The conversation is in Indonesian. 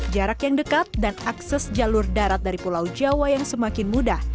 jarak yang dekat dan akses jalur darat dari pulau jawa yang semakin mudah